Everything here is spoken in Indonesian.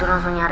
ada apa mir